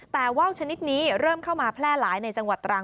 แต่ว่าวชนิดนี้เริ่มเข้ามาแพร่หลายในจังหวัดตรัง